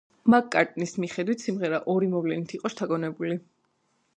მაკ-კარტნის მიხედვით, სიმღერა ორი მოვლენით იყო შთაგონებული.